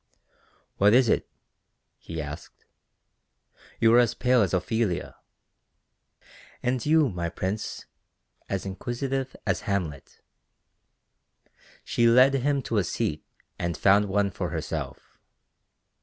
"What is it?" he asked; "you are pale as Ophelia." "And you, my prince, as inquisitive as Hamlet." She led him to a seat and found one for herself.